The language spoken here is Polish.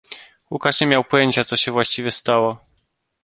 Łukasz nie miał pojęcia, co się właściwie stało.